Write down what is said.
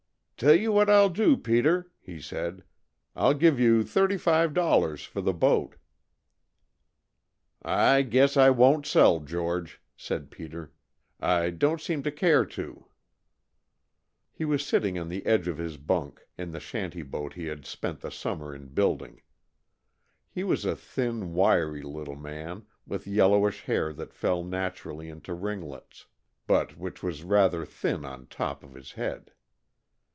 "Tell you what I'll do, Peter," he said, "I'll give you thirty five dollars for the boat." "I guess I won't sell, George," said Peter. "I don't seem to care to." He was sitting on the edge of his bunk, in the shanty boat he had spent the summer in building. He was a thin, wiry little man, with yellowish hair that fell naturally into ringlets: but which was rather thin on top of his head.